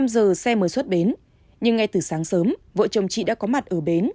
năm giờ xe mới xuất bến nhưng ngay từ sáng sớm vợ chồng chị đã có mặt ở bến